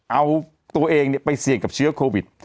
เอาตัวเองไปเสี่ยงกับเชื้อโควิด